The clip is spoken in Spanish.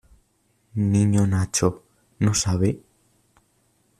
niño Nacho, no sabe?